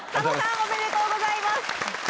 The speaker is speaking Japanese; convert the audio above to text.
おめでとうございます！